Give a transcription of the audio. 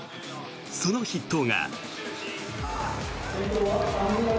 その筆頭が。